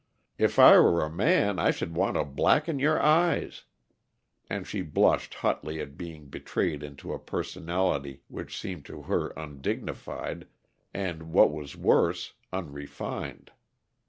"If I were a man I should want to blacken your eyes " And she blushed hotly at being betrayed into a personality which seemed to her undignified, and, what was worse, unrefined.